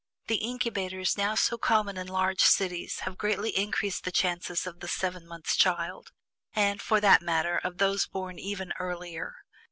The "incubators" now so common in large cities have greatly increased the chances of the "seven months' child," and, for that matter, of those born even earlier.